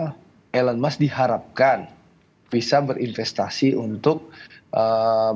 membangun mobil yang minimal elon musk diharapkan bisa berinvestasi untuk membangun mobil yang minimal